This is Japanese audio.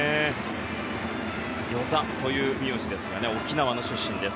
與座という名字ですから沖縄出身です。